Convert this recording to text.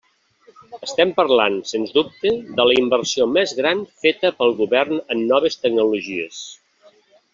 Estem parlant, sens dubte, de la inversió més gran feta pel Govern en noves tecnologies.